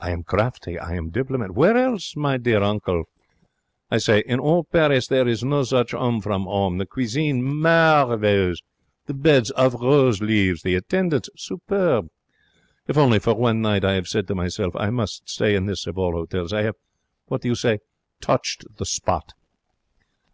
I am crafty. I am diplomat. 'Where else, dear uncle?' I say. 'In all Paris there is no such 'ome from 'ome. The cuisine marvellous! The beds of rose leaves! The attendance superb! If only for one night, I have said to myself, I must stay in this of all hotels.' I 'ave what do you say? touched the spot.